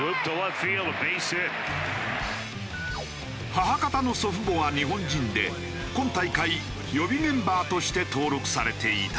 母方の祖父母が日本人で今大会予備メンバーとして登録されていた。